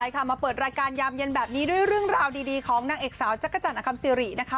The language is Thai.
มาเปิดรายการยามเย็นแบบนี้ด้วยเรื่องราวดีของนางเอกสาวจักรจันทร์อคัมซิรินะคะ